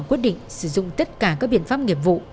quyết định sử dụng tất cả các biện pháp nghiệp vụ